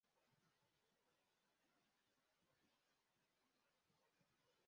Imbwa isimbukira ku kivuko yinjira mu mazi